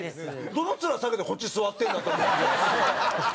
どの面下げてこっち座ってるんだと思って。